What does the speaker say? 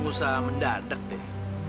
usaha mendadak deh